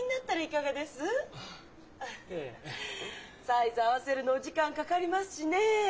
サイズ合わせるのお時間かかりますしねえ。